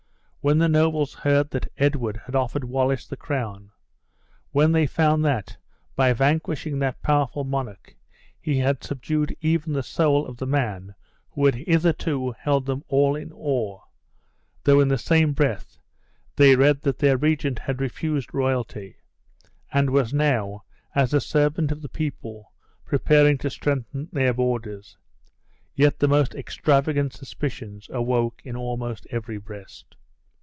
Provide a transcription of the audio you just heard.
When the nobles heard that Edward had offered Wallace the crown; when they found that by vanquishing that powerful monarch, he had subdued even the soul of the man who had hitherto held them all in awe; though in the same breath, they read that their regent had refused royalty; and was now, as a servant of the people, preparing to strengthen their borders; yet the most extravagant suspicions awoke in almost every breast.